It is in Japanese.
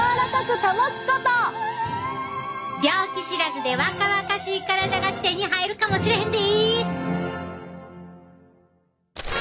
病気知らずで若々しい体が手に入るかもしれへんで！